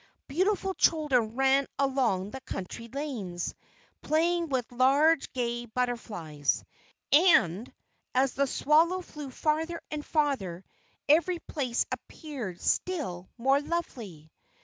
Beautiful children ran along the country lanes, playing with large gay butterflies. And, as the swallow flew farther and farther, every place appeared still more lovely.